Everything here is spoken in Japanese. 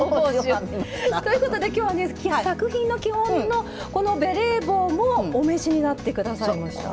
ということで今日はね作品の基本のこのベレー帽もお召しになって下さいました。